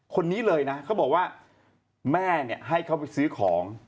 คนนี้เลยนะเขาบอกว่าแม่ให้เขาไปซื้อของ